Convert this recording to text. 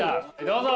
どうぞ！